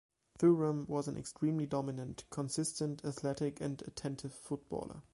Thuram was an extremely dominant, consistent, athletic and attentive footballer.